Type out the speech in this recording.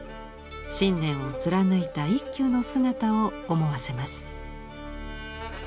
信念を貫いた一休の姿を思わせます。